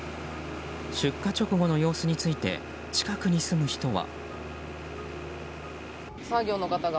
出火直後の様子について近くに住む人は。